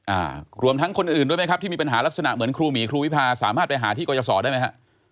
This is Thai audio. อ่ารวมทั้งคนอื่นด้วยไหมครับที่มีปัญหาลักษณะเหมือนครูหมีครูวิพาสามารถไปหาที่กรยาศรได้ไหมฮะ